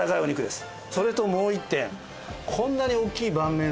それともう一点。